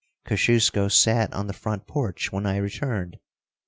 Kosciusko sat on the front porch when I returned.